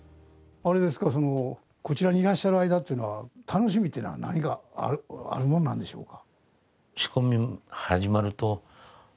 こちらにいらっしゃる間っていうのは楽しみというのは何があるものなんでしょうか？